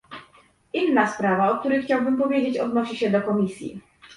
Inna sprawa, o której chciałbym powiedzieć, odnosi się do Komisji